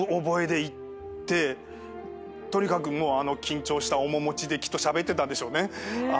とにかく緊張した面持ちでしゃべってたんでしょうね。